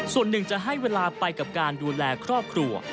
ส่วนหนึ่งจะให้เวลาไปกับการดูแลครอบครัว